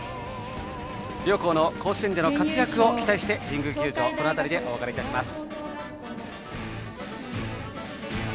両校の甲子園での活躍を期待して神宮球場この辺りでお別れいたします。